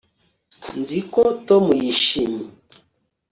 nzi ko tom yishimye